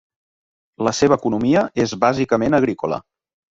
La seva economia és bàsicament agrícola.